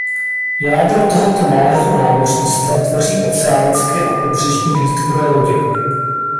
Jádro tohoto malého námořnictva tvoří oceánské a pobřežní hlídkové lodě.